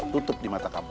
tutup di mata kamu